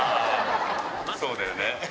そうだよね。